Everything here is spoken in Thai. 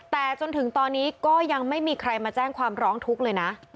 แต่จนถึงตอนนี้ก็ยังไม่มีใครมาแจ้งความร้องทุกข์เลยนะ